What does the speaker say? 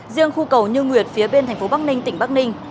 riêng khu cầu như nguyệt phía bên tp bắc ninh tỉnh bắc ninh